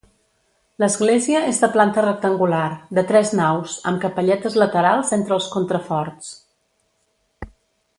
L'església és de planta rectangular, de tres naus, amb capelletes laterals entre els contraforts.